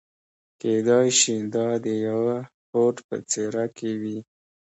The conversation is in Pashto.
کېدای شي دا د يوه هوډ په څېره کې وي.